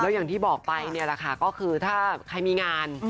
อย่างที่บอกไปเนี่ยแหละค่ะก็คือถ้าใครมีงาน